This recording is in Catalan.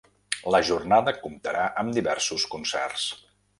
La jornada comptarà amb diversos concerts.